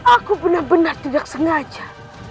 aku benar benar tidak sengaja